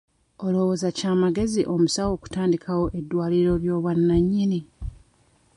Olowooza kya magezi omusawo okutandikawo eddwaliro ly'obwannannyini?